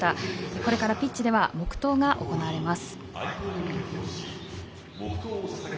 これからピッチでは黙とうが行われます。